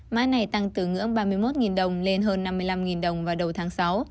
mã này tăng từ ngưỡng ba mươi một đồng lên hơn năm mươi năm đồng vào đầu tháng sáu